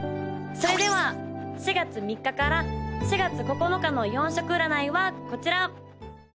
・それでは４月３日から４月９日の４色占いはこちら！